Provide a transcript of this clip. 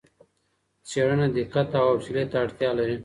څېړنه دقت او حوصلې ته اړتیا لري.